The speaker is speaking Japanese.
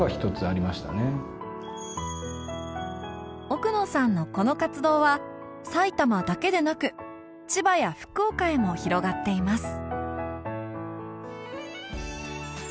奥野さんのこの活動は埼玉だけでなく千葉や福岡へも広がっています